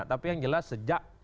tapi yang jelas sejak